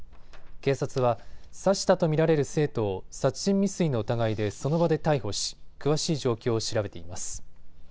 警察は刺したと見られる生徒を殺人未遂の疑いでその場で逮捕し詳しい状況を調べています。